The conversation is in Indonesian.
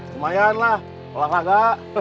lumayan lah olahraga